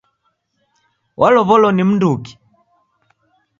Walow'olo ni mnduki?